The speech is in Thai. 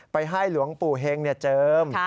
ให้หลวงปู่เฮงเจิม